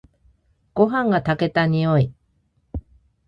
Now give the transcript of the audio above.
ごはんが炊けた匂い。